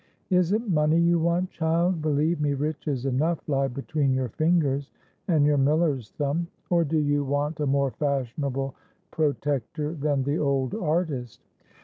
Is it money you want, child? Believe me, riches enough lie between your fingers and your miller's thumb. Or do you want a more fashionable protector than the old artist?"